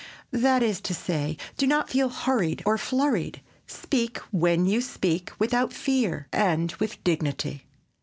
That is to say, do not feel hurried or flurried. Speak when you speak—without fear and with dignity.